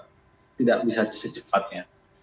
tidak bisa secepatnya